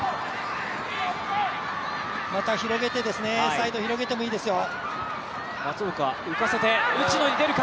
またサイドを広げてもいいですよ。